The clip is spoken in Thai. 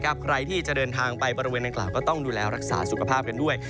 ใครที่จะเดินทางไปบริเวณนางกล่าวก็ต้องดูแลรักษาสุขภาพกันด้วย